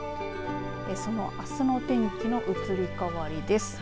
そのあすの天気の移り変わりです。